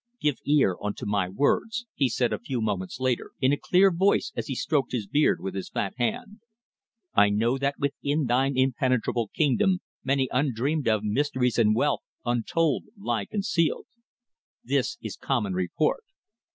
"Give ear unto my words," he said a few moments later, in a clear voice, as he stroked his beard with his fat hand. "I know that within thine impenetrable kingdom many undreamed of mysteries and wealth untold lie concealed. This is common report.